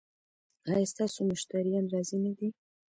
ایا ستاسو مشتریان راضي نه دي؟